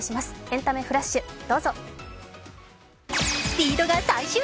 「エンタメフラッシュ」どうぞ。